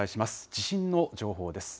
地震の情報です。